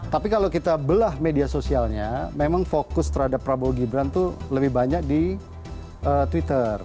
tapi kalau kita belah media sosialnya memang fokus terhadap prabowo gibran itu lebih banyak di twitter